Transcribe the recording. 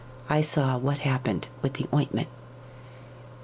I saw what happened with the ointment."